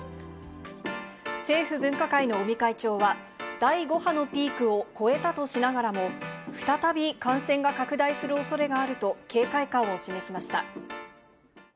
政府分科会の尾身会長は、第５波のピークを越えたとしながらも、再び感染が拡大するおそれがあると警戒感を示しました。